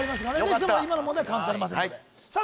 しかも今の問題カウントされませんのでさあ